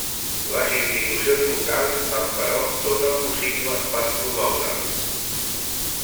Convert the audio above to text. Les institucions locals fan, però, tot el possible per promoure'l.